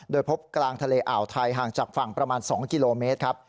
โดยพบกลางทะเลอ่าวไทยห่างจากฝั่งประมาณ๒กิโลเมตรครับ